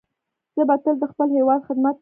زه به تل د خپل هیواد خدمت کوم.